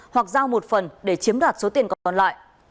hoặc giao một phần để chiếm đoạt số tiền còn còn lại